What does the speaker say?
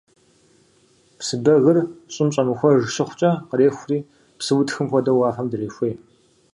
Псы бэгыр щӀым щӀэмыхуэж щыхъукӀэ, кърехури, псыутхым хуэдэу уафэм дрехуей.